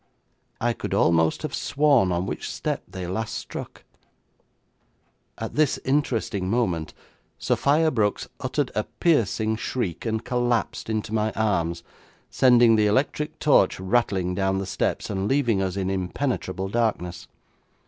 I could almost have sworn on which step they last struck. At this interesting moment Sophia Brooks uttered a piercing shriek and collapsed into my arms, sending the electric torch rattling down the steps, and leaving us in impenetrable darkness.